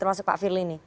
termasuk pak firly ini